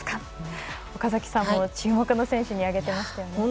岡崎さんも注目の選手に挙げてましたよね。